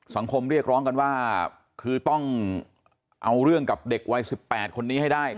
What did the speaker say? สังคมเรียกร้องกันว่าคือต้องเอาเรื่องกับเด็กวัย๑๘คนนี้ให้ได้